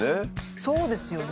そうですよね。